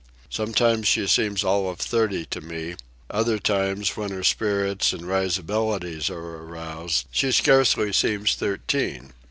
Sometimes she seems all of thirty to me; at other times, when her spirits and risibilities are aroused, she scarcely seems thirteen.